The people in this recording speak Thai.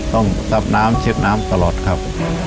ซับน้ำเช็ดน้ำตลอดครับ